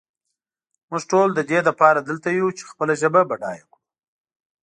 مونږ ټول ددې لپاره دلته یو چې خپله ژبه بډایه کړو.